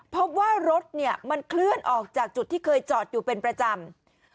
พบว่ารถเนี่ยมันเคลื่อนออกจากจุดที่เคยจอดอยู่เป็นประจำ